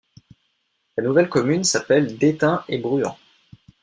La nouvelle commune s'appelle Détain-et-Bruant.